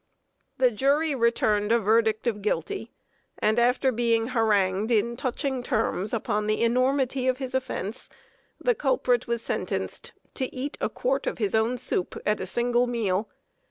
The jury returned a verdict of guilty, and, after being harangued in touching terms upon the enormity of his offense, the culprit was sentenced to eat a quart of his own soup at a single meal.